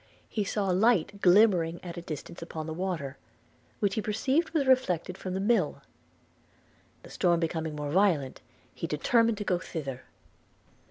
He saw a light glimmering at a distance upon the water, which he perceived was reflected from the mill. The storm becoming more violent, he determined to go thither.